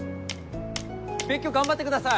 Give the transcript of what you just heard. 勉強頑張ってください！